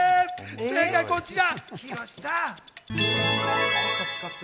正解はこちら。